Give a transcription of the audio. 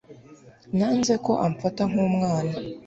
Nanze ko amfata nk'umwana.